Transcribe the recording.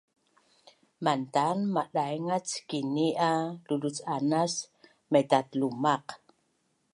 Mantan madaingac kini a luluc’anas maitatlumaq